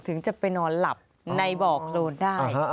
ถึงจะไปนอนหลับในบ่อโครนได้